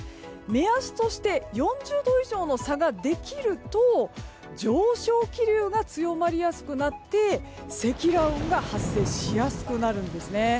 目安として４０度以上の差ができると上昇気流が強まりやすくなって積乱雲が発生しやすくなるんです。